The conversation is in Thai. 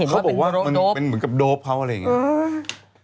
เขาบอกว่ามันเป็นเหมือนกับโดปเขาอะไรอย่างนี้